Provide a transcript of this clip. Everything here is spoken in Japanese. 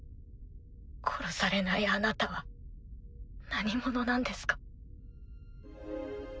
殺されないあなたは何者なんですか？